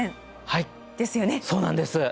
はいそうなんです。